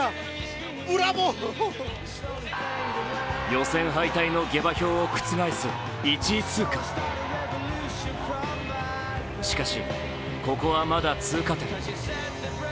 予選敗退の下馬評を覆す１位通過しかし、ここはまだ通過点。